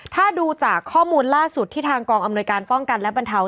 ถ้าดูจากข้อมูลล่าสุดที่ทางกองอำนวยการป้องกันและบรรเทา